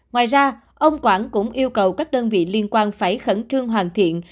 ngoài ra ông quảng cũng yêu cầu các đơn vị liên quan phải khẩn trương hoàn thiện